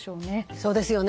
そうですよね。